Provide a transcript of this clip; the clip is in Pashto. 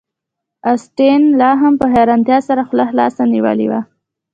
اسټین لاهم په حیرانتیا سره خوله خلاصه نیولې وه